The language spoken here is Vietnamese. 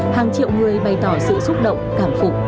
hàng triệu người bày tỏ sự xúc động cảm phục